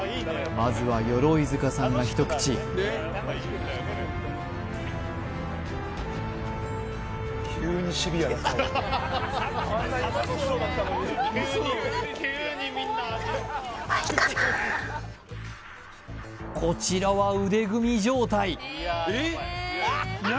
まずは鎧塚さんが一口こちらは腕組み状態